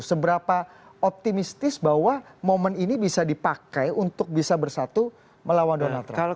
seberapa optimistis bahwa momen ini bisa dipakai untuk bisa bersatu melawan donald trump